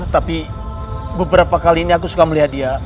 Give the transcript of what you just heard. tapi beberapa kali ini aku suka melihat dia